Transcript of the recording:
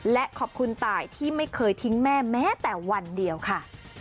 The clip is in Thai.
และขอบคุณตายที่ไม่เคยทิ้งแม่แม้แต่วันเดียวค่ะ